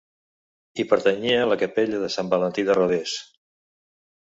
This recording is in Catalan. Hi pertanyia la capella de Sant Valentí de Rodès.